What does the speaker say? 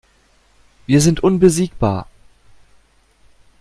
Wir sind unbesiegbar.